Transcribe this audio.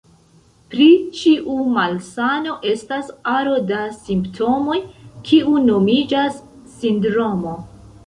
Pri ĉiu malsano estas aro da simptomoj, kiu nomiĝas sindromo.